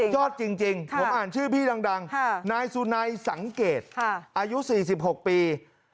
จริงผมอ่านชื่อพี่ดังนายสุนัยสังเกตอายุ๔๖ปี